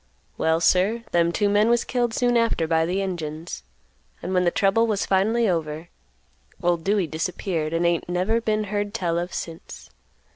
Well, sir, them two men was killed soon after by the Injuns, and when the trouble was finally over, old Dewey disappeared, and ain't never been heard tell of since.